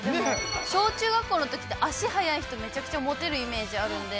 小中学校のときって、足速い人、めちゃくちゃもてるイメージあるんで。